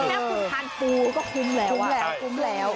แค่คุ้มทานปูก็คุ้มแล้ว